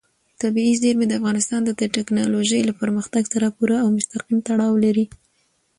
طبیعي زیرمې د افغانستان د تکنالوژۍ له پرمختګ سره پوره او مستقیم تړاو لري.